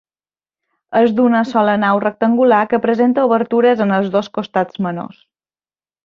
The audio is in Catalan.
És d'una sola nau rectangular que presenta obertures en els dos costats menors.